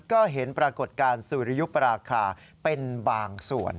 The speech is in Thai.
ก็เห็นปรากฏการณ์สุริยุปราคาเป็นบางส่วน